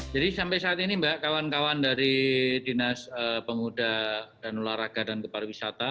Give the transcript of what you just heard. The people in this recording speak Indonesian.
jadi sampai saat ini mbak kawan kawan dari dinas penguda dan ularaga dan kepada wisata